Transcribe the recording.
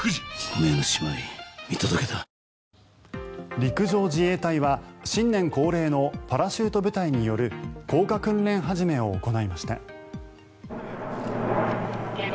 陸上自衛隊は新年恒例のパラシュート部隊による降下訓練始めを行いました。